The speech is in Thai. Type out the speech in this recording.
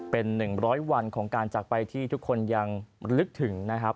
เป็นหนึ่งร้อยวันของการจักรไปที่ทุกคนยังลึกถึงนะครับ